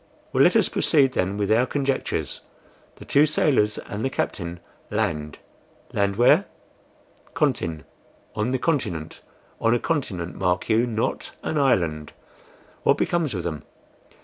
"Well, let us proceed then with our conjectures. The two sailors and the captain LAND land where? CONTIN on a continent; on a continent, mark you, not an island. What becomes of them?